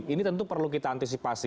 ini tentu perlu kita antisipasi